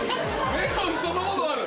メロンそのものある。